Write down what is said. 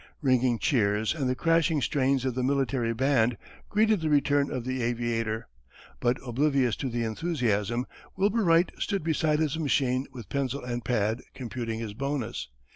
Ringing cheers and the crashing strains of the military band greeted the return of the aviator, but oblivious to the enthusiasm Wilbur Wright stood beside his machine with pencil and pad computing his bonus.